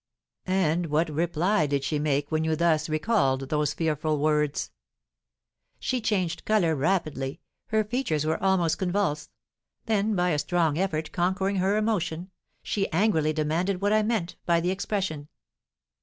"And what reply did she make when you thus recalled those fearful words?" "She changed colour rapidly, her features were almost convulsed; then, by a strong effort conquering her emotion, she angrily demanded what I meant by the expression.